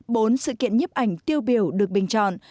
bốn sự kiện nhếp ảnh tiêu biểu được bình chọn